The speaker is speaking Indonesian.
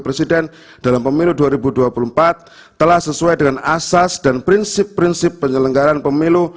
presiden dalam pemilu dua ribu dua puluh empat telah sesuai dengan asas dan prinsip prinsip penyelenggaran pemilu